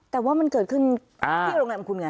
แต่ว่ามันเกิดขึ้นที่โรงแรมของคุณไง